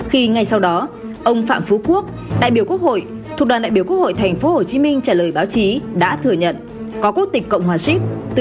hãy đăng ký kênh để ủng hộ kênh của mình nhé